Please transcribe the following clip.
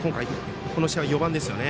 この試合は４番ですよね。